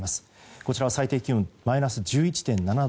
こちらは最低気温マイナス１１．７度。